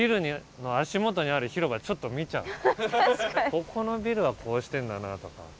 ここのビルはこうしてんだなとか。